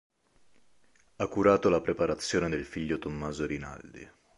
Ha curato la preparazione del figlio Tommaso Rinaldi.